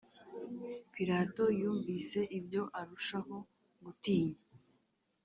Pilato yumvise ibyo arushaho gutinya